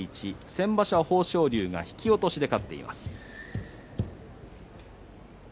先場所、豊昇龍が引き落としで勝っています。